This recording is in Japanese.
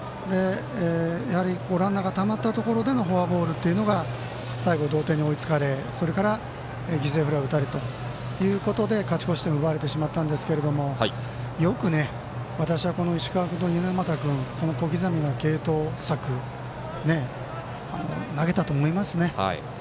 やはり、ランナーがたまったところでのフォアボールというところが最後、同点に追いつかれそれから犠牲フライを打たれたということで勝ち越し点を奪われてしまったんですがよく、この石川君、猪俣君この小刻みな継投策投げたと思いますね。